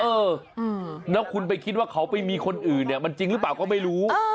เออแล้วคุณไปคิดว่าเขาไปมีคนอื่นเนี่ยมันจริงหรือเปล่าก็ไม่รู้